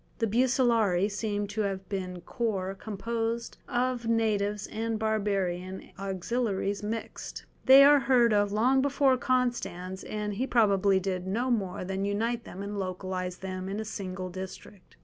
The Bucellarii seem to have been corps composed of natives and barbarian auxiliaries mixed; they are heard of long before Constans, and he probably did no more than unite them and localize them in a single district.